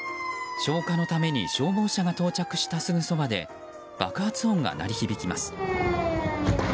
消火のために消防車が到着したすぐそばで爆発音が鳴り響きます。